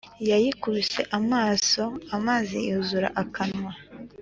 yayikubise amaso amazi yuzura akanwa.